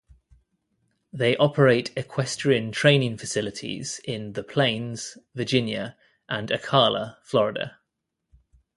They operate equestrian training facilities in The Plains, Virginia and Ocala, Florida.